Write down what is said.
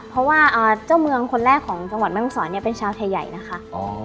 เพราะว่าเจ้าเมืองคนแรกของจังหวัดแม่ห้องศรเนี่ยเป็นชาวไทยใหญ่นะคะ